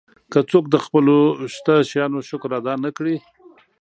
که څوک د خپلو شته شیانو شکر ادا نه کړي.